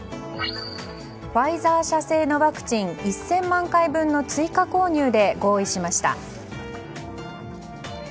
ファイザー社製のワクチン１０００万回分の追加購入で合意しました。